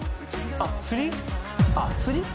あっ釣り？